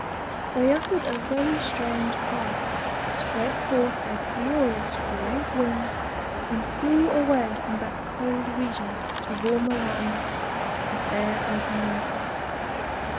They uttered a very strange cry, spread forth their glorious great wings, and flew away from that cold region to warmer lands, to fair open lakes.